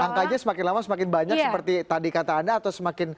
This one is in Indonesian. angkanya semakin lama semakin banyak seperti tadi kata anda atau semakin